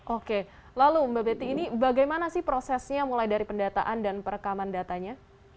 oke lalu mbak betty ini bagaimana sih prosesnya mulai dari pendataan dan perekaman datanya